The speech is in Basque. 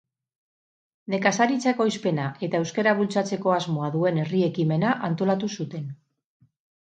Nekazaritza-ekoizpena eta euskara bultzatzeko asmoa duen herri ekimena antolatu zuten.